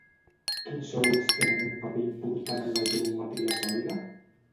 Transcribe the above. Quins sòlids tenen un paper important en la geometria sòlida?